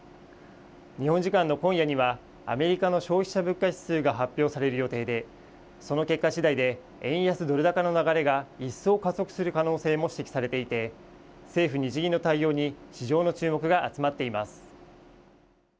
日本時間の今夜にはアメリカの消費者物価指数が発表される予定でその結果しだいで円安ドル高の流れが一層、加速する可能性も指摘されていて政府・日銀の対応に市場の注目が集まっています。